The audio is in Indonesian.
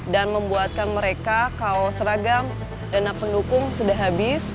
dan membuatkan mereka kalau seragam dana pendukung sudah habis